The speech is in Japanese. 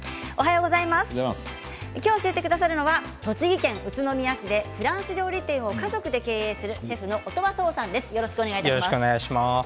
今日教えてくださるのは栃木県宇都宮市でフランス料理店を家族で経営するシェフの音羽創さんです。